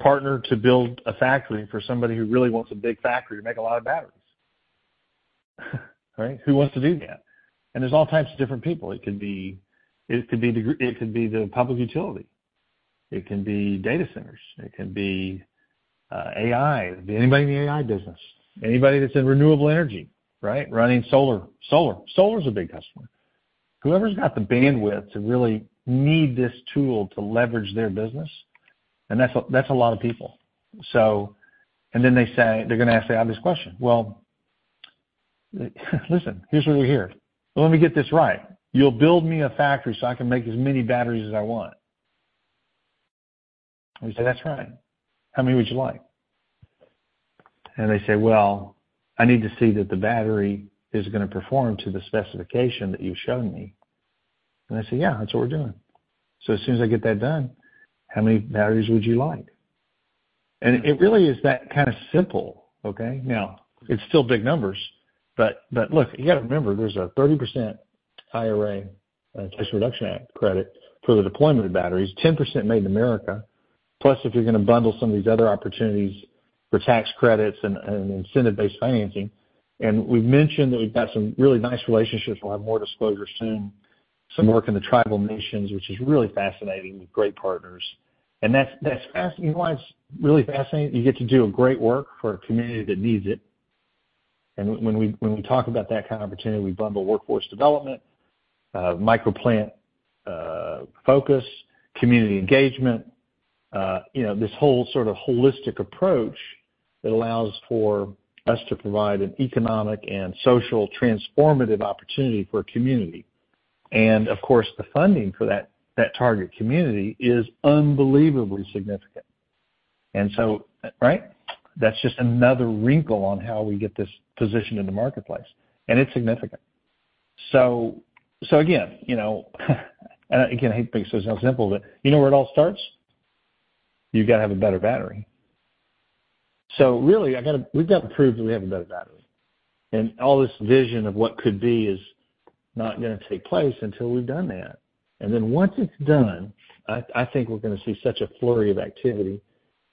Partner to build a factory for somebody who really wants a big factory to make a lot of batteries," right? Who wants to do that? And there's all types of different people. It could be the public utility. It can be data centers. It can be AI. It could be anybody in the AI business, anybody that's in renewable energy, right, running solar. Solar's a big customer. Whoever's got the bandwidth to really need this tool to leverage their business, and that's a lot of people. And then they're going to ask the obvious question. "Well, listen. Here's what we heard. Let me get this right. You'll build me a factory so I can make as many batteries as I want." And we say, "That's right. How many would you like?" And they say, "Well, I need to see that the battery is going to perform to the specification that you've shown me." And they say, "Yeah, that's what we're doing. So as soon as I get that done, how many batteries would you like?" And it really is that kind of simple, okay? Now, it's still big numbers. But look, you got to remember there's a 30% Inflation Reduction Act credit for the deployment of batteries, 10% made in America, plus if you're going to bundle some of these other opportunities for tax credits and incentive-based financing. And we've mentioned that we've got some really nice relationships. We'll have more disclosures soon. Some work in the tribal nations, which is really fascinating with great partners. And you know why it's really fascinating? You get to do a great work for a community that needs it. And when we talk about that kind of opportunity, we bundle workforce development, microplant focus, community engagement, this whole sort of holistic approach that allows for us to provide an economic and social transformative opportunity for a community. And of course, the funding for that target community is unbelievably significant. And so, right? That's just another wrinkle on how we get this positioned in the marketplace. And it's significant. So again, and again, I hate to make it sound simple, but you know where it all starts? You got to have a better battery. So really, we've got to prove that we have a better battery. And all this vision of what could be is not going to take place until we've done that. And then once it's done, I think we're going to see such a flurry of activity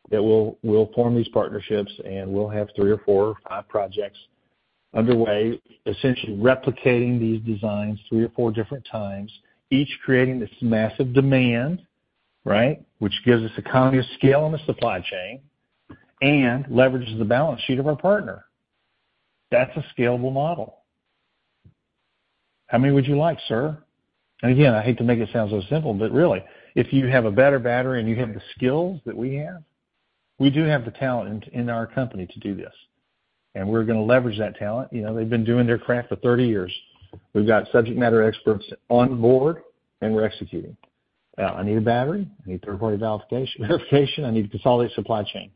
that we'll form these partnerships, and we'll have three or four or five projects underway, essentially replicating these designs three or four different times, each creating this massive demand, right, which gives us economy of scale on the supply chain and leverages the balance sheet of our partner. That's a scalable model. How many would you like, sir? And again, I hate to make it sound so simple, but really, if you have a better battery and you have the skills that we have, we do have the talent in our company to do this. And we're going to leverage that talent. They've been doing their craft for 30 years. We've got subject matter experts on board, and we're executing. Now, I need a battery. I need third-party verification. I need to consolidate supply chain.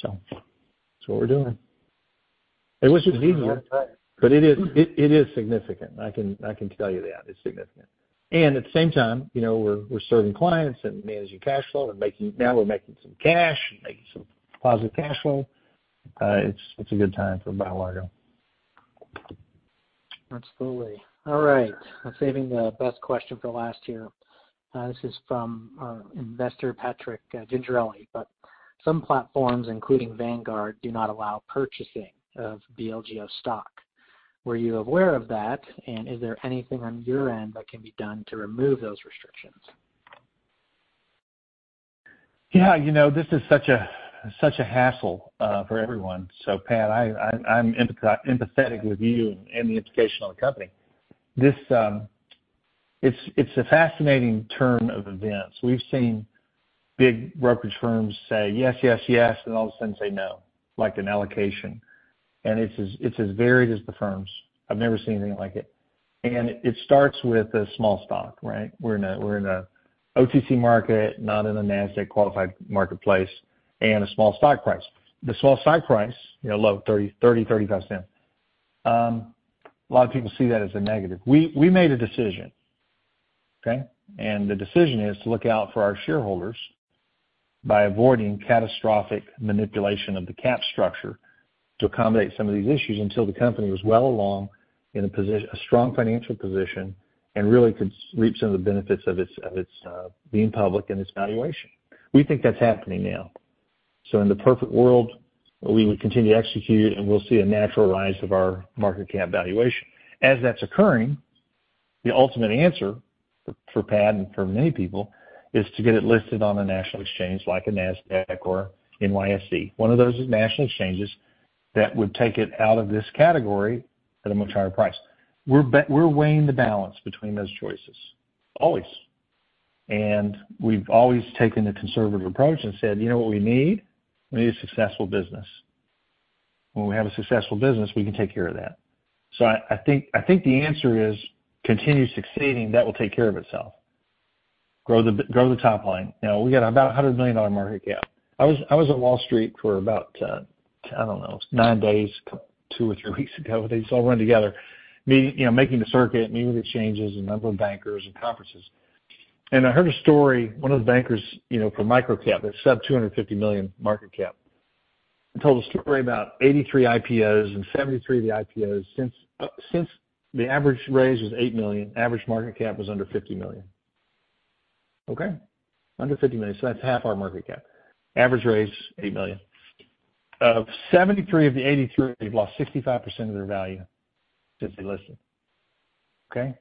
So that's what we're doing. It wasn't easier, but it is significant. I can tell you that. It's significant. And at the same time, we're serving clients and managing cash flow and making now we're making some cash and making some positive cash flow. It's a good time for BioLargo. Absolutely. All right. I'm saving the best question for last here. This is from our investor, Patrick Signorelli. But some platforms, including Vanguard, do not allow purchasing of BLGO stock. Were you aware of that? And is there anything on your end that can be done to remove those restrictions? Yeah. This is such a hassle for everyone. So Pat, I'm empathetic with you and the implication on the company. It's a fascinating turn of events. We've seen big brokerage firms say, "Yes, yes, yes," and all of a sudden say, "No," like an allocation. And it's as varied as the firms. I've never seen anything like it. And it starts with a small stock, right? We're in an OTC market, not in a NASDAQ-qualified marketplace, and a small stock price. The small stock price, low, $0.30-$0.35, a lot of people see that as a negative. We made a decision, okay? And the decision is to look out for our shareholders by avoiding catastrophic manipulation of the cap structure to accommodate some of these issues until the company was well along in a strong financial position and really could reap some of the benefits of it being public and its valuation. We think that's happening now. So in the perfect world, we would continue to execute, and we'll see a natural rise of our market cap valuation. As that's occurring, the ultimate answer for Pat and for many people is to get it listed on a national exchange like a NASDAQ or NYSE. One of those is national exchanges that would take it out of this category at a much higher price. We're weighing the balance between those choices, always. And we've always taken the conservative approach and said, "You know what we need? We need a successful business. When we have a successful business, we can take care of that." So I think the answer is continue succeeding. That will take care of itself. Grow the top line. Now, we got about a $100 million market cap. I was at Wall Street for about, I don't know, nine days, two or three weeks ago. They just all run together, making the circuit, meeting with exchanges and a number of bankers and conferences. I heard a story, one of the bankers for microcap that's sub-$250 million market cap, told a story about 83 IPOs and 73 of the IPOs since the average raise was $8 million, average market cap was under $50 million, okay? Under $50 million. So that's half our market cap. Average raise, $8 million. Of 73 of the 83, they've lost 65% of their value since they listed, okay?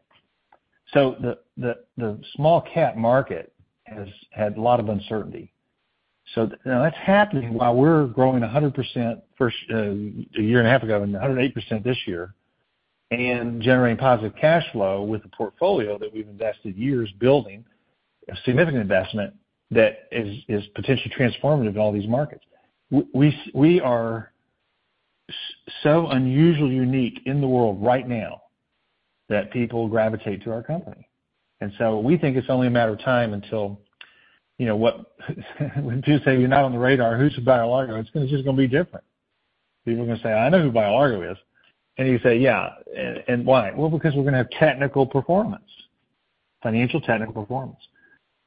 So the small cap market has had a lot of uncertainty. So now that's happening while we're growing 100% a year and a half ago and 108% this year and generating positive cash flow with a portfolio that we've invested years building, a significant investment that is potentially transformative in all these markets. We are so unusually unique in the world right now that people gravitate to our company. And so we think it's only a matter of time until when people say, "You're not on the radar. Who's BioLargo?" It's just going to be different. People are going to say, "I know who BioLargo is." And you say, "Yeah." And why? Well, because we're going to have technical performance, financial technical performance.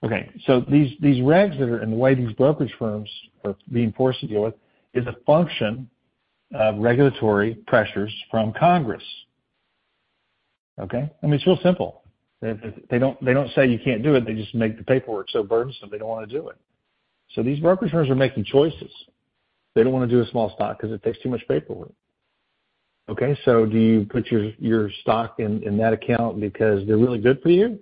Okay. So these regs that are in the way these brokerage firms are being forced to deal with is a function of regulatory pressures from Congress, okay? I mean, it's real simple. They don't say you can't do it. They just make the paperwork so burdensome, they don't want to do it. So these brokerage firms are making choices. They don't want to do a small stock because it takes too much paperwork, okay? So do you put your stock in that account because they're really good for you?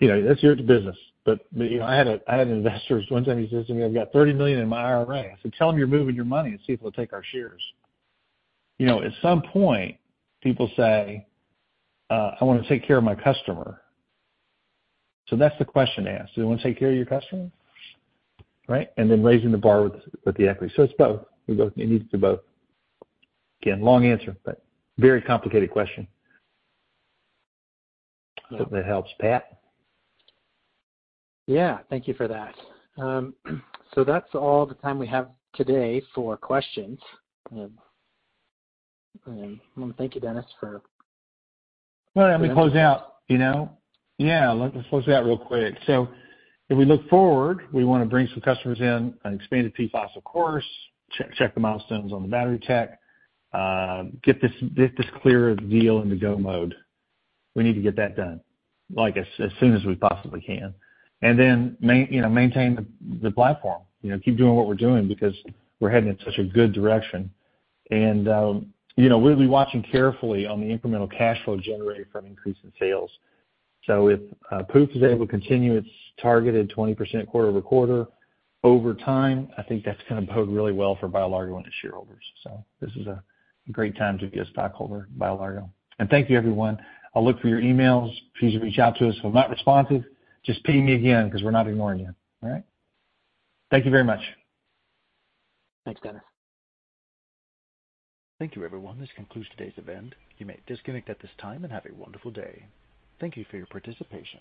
That's your business. But I had an investor one time he says to me, "I've got $30 million in my IRA." I said, "Tell them you're moving your money and see if they'll take our shares." At some point, people say, "I want to take care of my customer." So that's the question asked. Do they want to take care of your customer, right? And then raising the bar with the equity. So it's both. It needs to do both. Again, long answer, but very complicated question. I hope that helps, Pat. Yeah. Thank you for that. So that's all the time we have today for questions. I want to thank you, Dennis, for. Well, let me close out. Yeah. Let's close it out real quick. So if we look forward, we want to bring some customers in, an expanded PFAS, of course, check the milestones on the battery tech, get this Clyra deal into go mode. We need to get that done as soon as we possibly can. And then maintain the platform. Keep doing what we're doing because we're heading in such a good direction. And we'll be watching carefully on the incremental cash flow generated from increasing sales. So if POOPH is able to continue its targeted 20% quarter-over-quarter over time, I think that's going to bode really well for BioLargo and its shareholders. So this is a great time to be a stockholder of BioLargo. And thank you, everyone. I'll look for your emails. Please reach out to us. If I'm not responsive, just ping me again because we're not ignoring you, all right? Thank you very much. Thanks, Dennis. Thank you, everyone. This concludes today's event. You may disconnect at this time and have a wonderful day. Thank you for your participation.